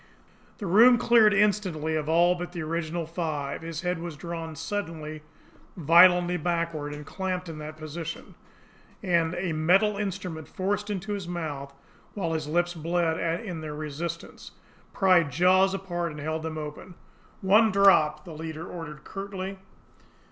The room cleared instantly of all but the original five. His head was drawn suddenly, violently backward, and clamped in that position; and a metal instrument, forced into his mouth, while his lips bled in their resistance, pried jaws apart and held them open. "One drop!" the leader ordered curtly.